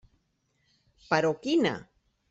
Però quina?